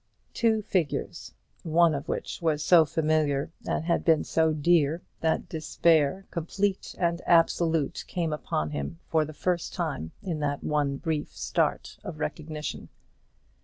Two figures, one of which was so familiar and had been so dear that despair, complete and absolute, came upon him for the first time, in that one brief start of recognition.